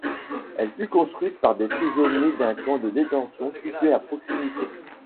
Elle fut construite par des prisonniers d'un camp de détention situé à proximité.